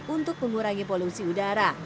untuk mengurangi polusi udara